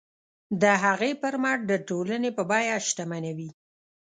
د هغې پر مټ د ټولنې په بیه ځان شتمنوي.